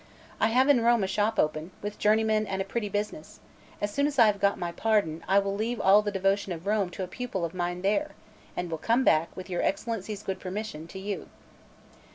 I have in Rome a shop open, with journeymen and a pretty business; as soon as I have got my pardon, I will leave all the devotion of Rome to a pupil of mine there, and will come back, with your Excellency's good permission, to you."